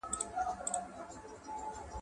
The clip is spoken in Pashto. که نجلۍ په بديو کې ورکړئ ظلم به مو کړی وي.